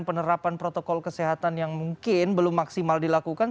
penerapan protokol kesehatan yang mungkin belum maksimal dilakukan